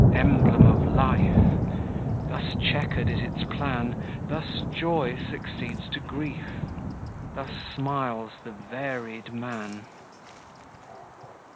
Emblem of life!—Thus checquer'd is its plan, Thus joy succeeds to grief—thus smiles the varied man!